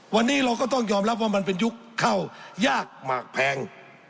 วันนี้เราก็ต้องยอมรับว่ามันเป็นยุคเข้ายากหมากแพง